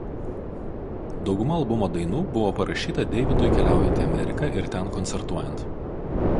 Dauguma albumo dainų buvo parašyta Deividui keliaujant į Ameriką ir ten koncertuojant.